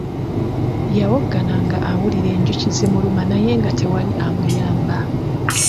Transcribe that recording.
Yawoggana nga awulira enjuki zimuluma naye nga tewali amuyamba.